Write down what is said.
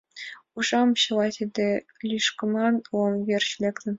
Ужам — чыла тиде лӱшкымаш Лом верч лектын.